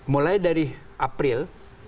mulai dari april